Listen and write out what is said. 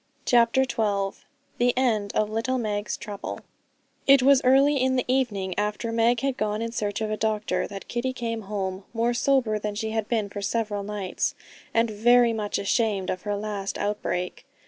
CHAPTER XII The End of Little Meg's Trouble It was early in the evening after Meg had gone in search of a doctor, that Kitty came home, more sober than she had been for several nights, and very much ashamed of her last outbreak.